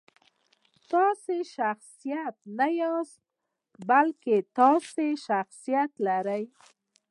تاسو شخصیت نه یاستئ، بلکې تاسو شخصیت لرئ.